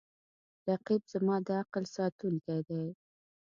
رقیب زما د عقل ساتونکی دی